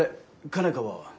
佳奈花は？